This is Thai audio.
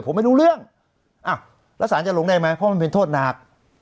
ผมไม่รู้เรื่องอ้าวแล้วสารจะหลงได้ไหมเพราะมันเป็นโทษหนัก